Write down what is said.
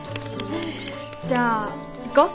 じゃあ行こう。